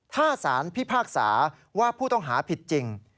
ถ้าสารพิพากษาว่าผู้ต้องหาผิดจริง